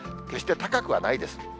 決して高くはないです。